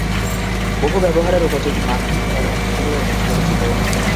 বহু-ব্যবহারের উপযোগী মাঠটি খেলার মাঠ হিসেবেই অধিক পরিচিত।